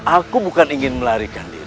aku bukan ingin melarikan diri